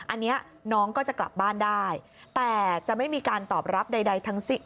อันนี้น้องก็จะกลับบ้านได้แต่จะไม่มีการตอบรับใดทั้งสิ้น